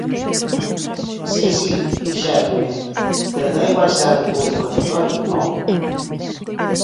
Si, si, dixéronme, pero dá igual se é algo público e notorio, ¿non?